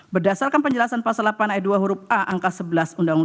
berdasarkan pengelompokan pemerintah pusat dikelompokkan atas beberapa pengelompokan